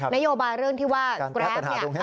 นโยบายเรื่องที่ว่าแกรปเนี่ย